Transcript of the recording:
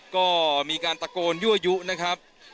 ก็มีการตะโกนยั่วยุนะครับ